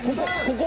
ここ！